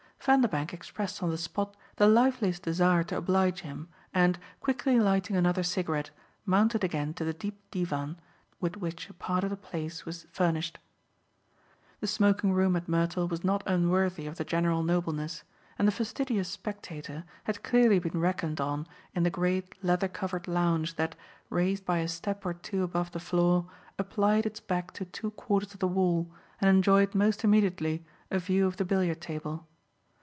Vanderbank expressed on the spot the liveliest desire to oblige him and, quickly lighting another cigarette, mounted again to the deep divan with which a part of the place was furnished. The smoking room at Mertle was not unworthy of the general nobleness, and the fastidious spectator had clearly been reckoned on in the great leather covered lounge that, raised by a step or two above the floor, applied its back to two quarters of the wall and enjoyed most immediately a view of the billiard table.